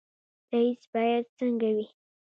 رئیس باید څنګه وي؟